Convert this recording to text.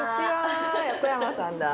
横山さんだ。